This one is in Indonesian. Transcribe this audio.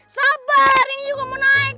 sabar ini juga mau naik